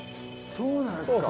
そうなんすか。